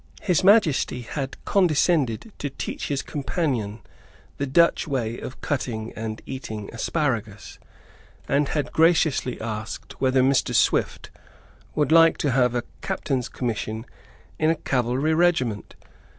His Majesty had condescended to teach his companion the Dutch way of cutting and eating asparagus, and had graciously asked whether Mr. Swift would like to have a captain's commission in a cavalry regiment.